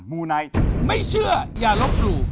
มูไนท์ไม่เชื่ออย่าลบหลู่